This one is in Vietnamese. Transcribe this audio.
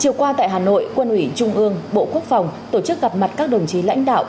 chiều qua tại hà nội quân ủy trung ương bộ quốc phòng tổ chức gặp mặt các đồng chí lãnh đạo